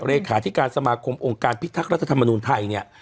เลขาธิการสมาคมองค์การพิทักษ์รัฐธรรมนูญไทยเนี่ย